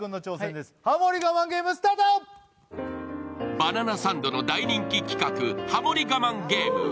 「バナナサンド」の大人気企画、ハモリ我慢ゲーム。